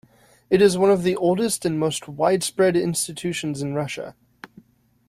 It is one of the oldest and most widespread institutions in Russia.